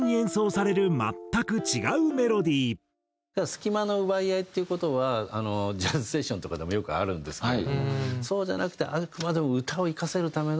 隙間の奪い合いっていう事はジャズセッションとかでもよくあるんですけれどもそうじゃなくてあくまでも。